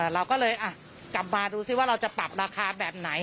เราก็เลยกลับมาดูสิว่าเราจะปรับราคาแบบไหน